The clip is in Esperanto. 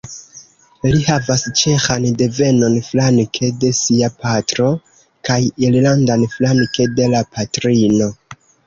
Li havas ĉeĥan devenon flanke de sia patro kaj irlandan flanke de la patrino.